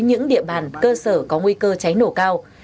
những địa bàn cơ sở có nguy cơ cháy nổ cao